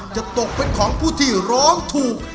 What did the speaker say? จะตกเป็นของผู้ที่ร้องถูก